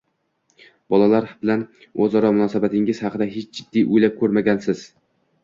Bolalar bilan o‘zaro munosabatingiz haqida hech jiddiy o‘ylab ko‘rganmisiz?